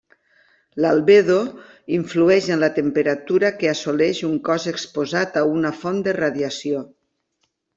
L'albedo influeix en la temperatura que assoleix un cos exposat a una font de radiació.